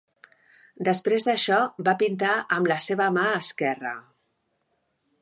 Després d'això, va pintar amb la seva mà esquerra.